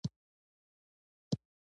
زما ملګری یو مخلص دوست ده